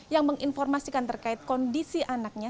yang menginformasikan terkait kondisi anaknya